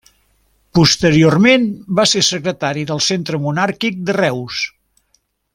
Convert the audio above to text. Posteriorment va ser secretari del Centre Monàrquic de Reus.